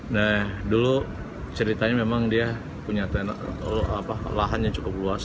nah dulu ceritanya memang dia punya lahan yang cukup luas